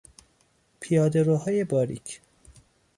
پیاده روهای باریک